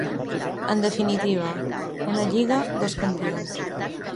En definitiva: una lliga, dos campions.